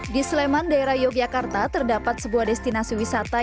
di sleman daerah yogyakarta terdapat sebuah destinasi wisata